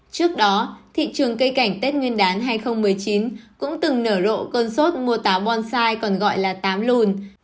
trước đó thị trường cây cảnh tết nguyên đán hai nghìn một mươi chín cũng từng nở rộ cơn sốt mua táo bonsai còn gọi là táo lùn